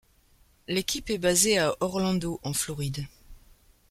L'équipe est basée à Orlando en Floride.